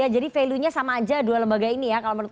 jadi value nya sama aja dua lembaga ini ya kalau menurut